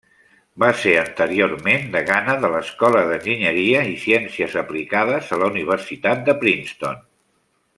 Va ser anteriorment degana de l'Escola d'Enginyeria i Ciències Aplicades a la Universitat de Princeton.